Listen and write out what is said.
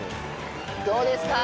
どうですか？